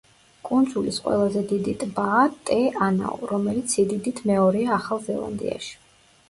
კუნძულის ყველაზე დიდი ტბაა ტე-ანაუ, რომელიც სიდიდით მეორეა ახალ ზელანდიაში.